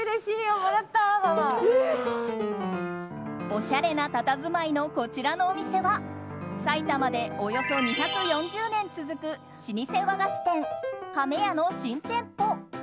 おしゃれなたたずまいのこちらのお店は埼玉でおよそ２４０年続く老舗和菓子店亀屋の新店舗。